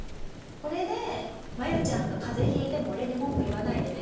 これでマユちゃんが風邪引いても俺に文句言わないでね。